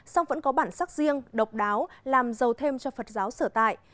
song vẫn có bản sắc riêng độc đáo làm giàu thêm cho phật giáo sở tại